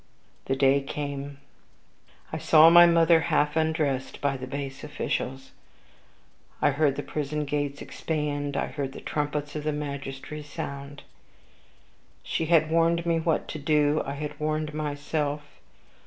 The day came: I saw my mother half undressed by the base officials; I heard the prison gates expand; I heard the trumpets of the magistracy sound. She had warned me what to do; I had warned myself.